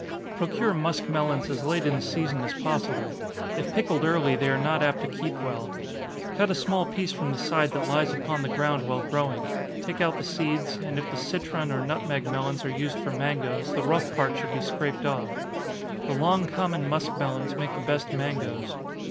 _ Procure muskmelons as late in the season as possible if pickled early, they are not apt to keep well. Cut a small piece from the side that lies upon the ground while growing, take out the seeds, and if the citron or nutmeg melons are used for mangoes, the rough part should be scraped off. The long common muskmelons make the best mangoes.